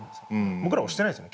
僕ら押してないですね